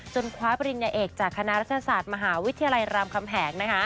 คว้าปริญญาเอกจากคณะรัฐศาสตร์มหาวิทยาลัยรามคำแหง